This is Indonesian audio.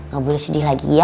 gak boleh sedih lagi ya